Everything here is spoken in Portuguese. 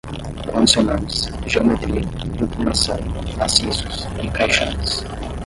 condicionantes, geometria, inclinação, maciços, encaixantes